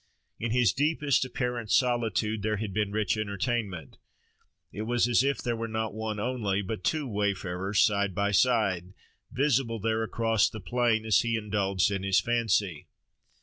In his deepest apparent solitude there had been rich entertainment. It was as if there were not one only, but two wayfarers, side by side, visible there across the plain, as he indulged his fancy.